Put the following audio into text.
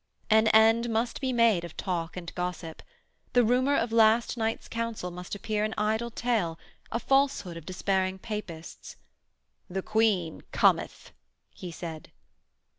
An end must be made of talk and gossip. The rumour of last night's Council must appear an idle tale, a falsehood of despairing Papists. 'The Queen cometh,' he said.